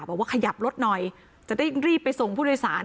บอกว่าขยับรถหน่อยจะได้รีบไปส่งผู้โดยสาร